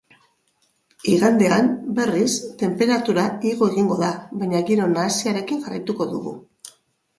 Igandean, berriz, tenperatura igo egingo da baina giro nahasiarekin jarraituko dugu.